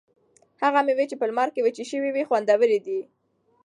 هغه مېوې چې په لمر کې وچې شوي وي خوندورې دي.